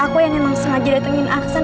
aku yang emang semuanya datengin aksan